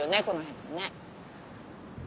この辺ね。